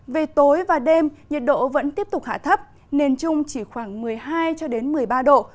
về tối và đêm nhiệt độ vẫn tiếp tục hạ thấp nền trung chỉ khoảng một mươi hai một mươi ba độ